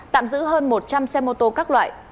tạm giữ hơn một trăm linh xe mô tô các loại